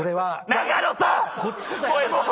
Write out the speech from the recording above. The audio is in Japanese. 永野さん！